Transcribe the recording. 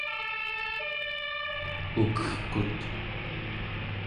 ukegkut